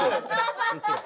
もちろん。